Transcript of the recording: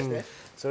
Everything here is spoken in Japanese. それ